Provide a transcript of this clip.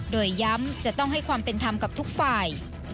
โดยย้ำจะต้องให้ความเป็นธรรมกับทุกฝ่าย